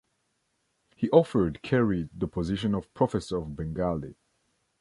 He offered Carey the position of professor of Bengali.